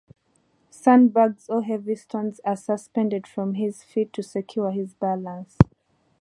Sandbags or heavy stones are suspended from his feet to secure his balance.